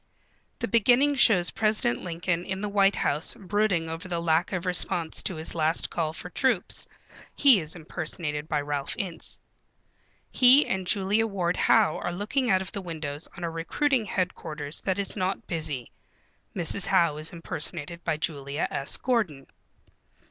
The beginning shows President Lincoln in the White House brooding over the lack of response to his last call for troops. (He is impersonated by Ralph Ince.) He and Julia Ward Howe are looking out of the window on a recruiting headquarters that is not busy. (Mrs. Howe is impersonated by Julia S. Gordon.)